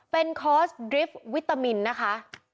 เป็นคอร์สดริฟท์วิตามินนะคะ